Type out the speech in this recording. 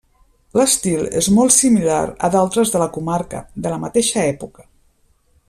L'estil és molt similar a d'altres de la comarca, de la mateixa època.